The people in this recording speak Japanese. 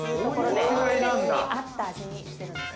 季節に合った味にしてるんです。